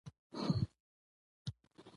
یو ناڅاپه یو ماشوم راغی له پاسه